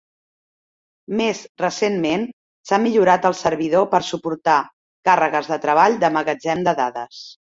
Més recentment, s'ha millorat el servidor per suportar càrregues de treball de magatzem de dades.